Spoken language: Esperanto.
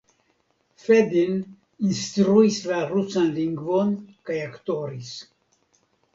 Fedin instruis la rusan lingvon kaj aktoris.